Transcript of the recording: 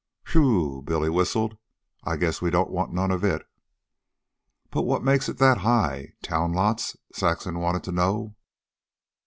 "Whew!" Billy whistled. "I guess we don't want none of it." "But what makes it that high? Town lots?" Saxon wanted to know.